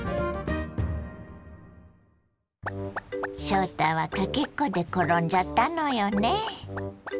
翔太はかけっこで転んじゃったのよね。